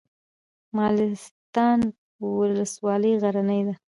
مالستان ولسوالۍ غرنۍ ده؟